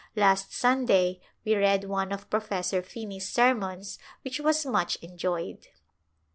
Last Sunday we read one of Professor Finney's sermons which was much enjoyed.